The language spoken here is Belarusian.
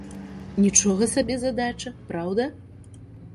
Нічога сабе задача, праўда?